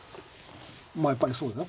まあやっぱりそうだね